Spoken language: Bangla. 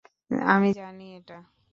আমি জানি এটা।